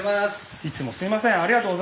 いつもすみません。